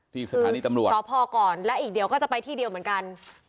ที่สถานีตำรวจสพก่อนและอีกเดี๋ยวก็จะไปที่เดียวเหมือนกัน